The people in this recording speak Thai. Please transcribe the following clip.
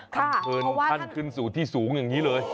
ท่านคึ้นสู่ที่สูงอย่างนี้เลย